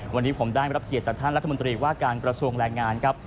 วันนี้ผมได้รับเกียรติจากท่านรัฐมนตรีว่าการกระทรวงแรงงานครับ